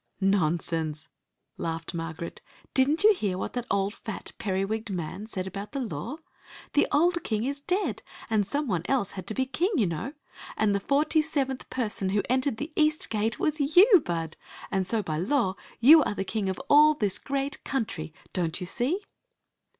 "Nonsense!" laughed Margaret "Did n't you hear what that fat, periwigged man said about the law ? The old king is dead, and some one else had to be king, you know ; and the forty seventh person who entered the east gate was you. Bud, and so by law you are the king of all this great ontntry. Dont you see?